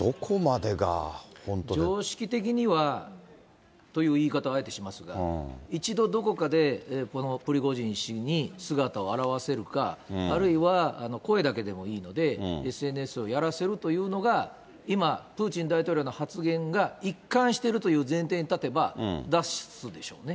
常識的にはという言い方をあえてしますが、一度どこかで、このプリゴジン氏に姿を現せるか、あるいは声だけでもいいので、ＳＮＳをやらせるというのが、今、プーチン大統領の発言が一貫しているという前提に立てば、出すでしょうね。